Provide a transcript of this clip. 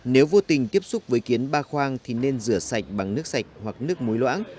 nếu vô tình tiếp xúc với kiến ba khoang thì nên rửa sạch bằng nước sạch hoặc nước muối loãng